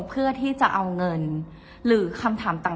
เพื่อที่จะเอาเงินหรือคำถามต่าง